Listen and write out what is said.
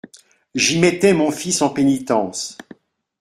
J'y mettais mon fils en pénitence.